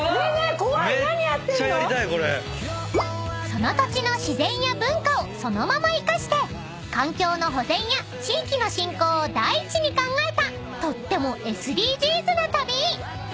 ［その土地の自然や文化をそのまま生かして環境の保全や地域の振興を第一に考えたとってもＳＤＧｓな旅］